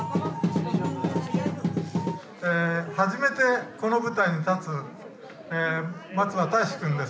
初めてこの舞台に立つ松場たいしくんです。